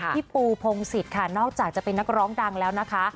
พี่ปูพงศิษย์ค่ะนอกจากจะเป็นนักร้องดังแล้วนะคะ